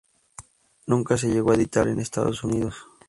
Nunca se llegó a editar en Estados Unidos.